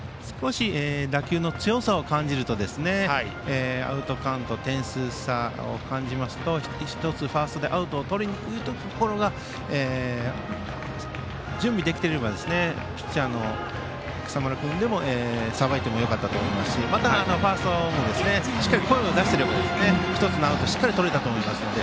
少し打球の強さを感じるとアウトカウント点差を考えますと１つ、ファーストでアウトをとりにいったところで準備できていればピッチャーの今朝丸君でもよかったと思いますしそして、ファーストもしっかり声を出していれば１つのアウトをとれたと思うので。